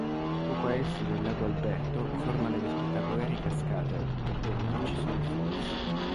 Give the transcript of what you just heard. Poco a est del lago Alberto forma delle spettacolari cascate, le Murchison Falls.